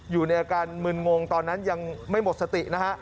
อยู่ในอาการมึนงงตอนนั้นยังไม่หมดสตินะฮะ